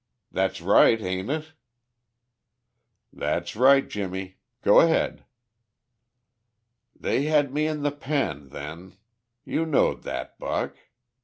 That's right, ain't it?" "That's right, Jimmie. Go ahead." "They had me in the pen, then; you knowed that, Buck?